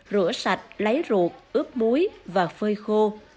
rửa sạch lấy ruột ướp muối và phơi khô